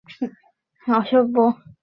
ছেড়ে দাও আমাকে প্লিজ।